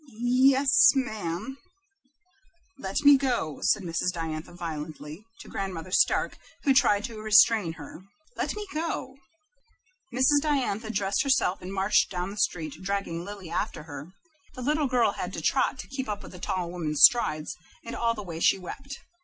"Ye es, ma am." "Let me go," said Mrs. Diantha, violently, to Grandmother Stark, who tried to restrain her. Mrs. Diantha dressed herself and marched down the street, dragging Lily after her. The little girl had to trot to keep up with the tall woman's strides, and all the way she wept.